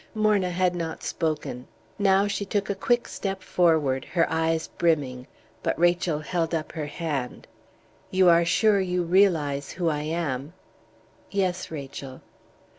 Morna had not spoken. Now she took a quick step forward, her eyes brimming. But Rachel held up her hand. "You are sure you realize who I am?" "Yes, Rachel."